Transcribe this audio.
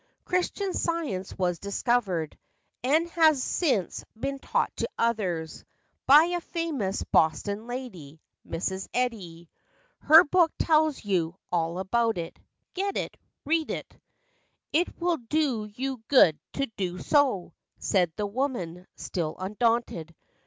"Christian science was discovered, And has since been taught to others By a famous Boston lady, Mrs. Eddy. Her book tells you All about it. Get it; read it; It will do you good to do so," Said the woman, still undaunted.